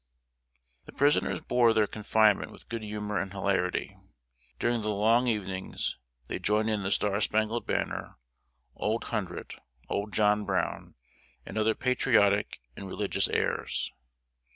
] The prisoners bore their confinement with good humor and hilarity. During the long evenings, they joined in the "Star Spangled Banner," "Old Hundred," "Old John Brown," and other patriotic and religious airs.